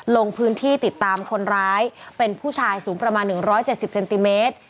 ลงพื้นที่ติดตามคนร้ายเป็นผู้ชายสูงประมาณ๑๗๐เซนติเมตร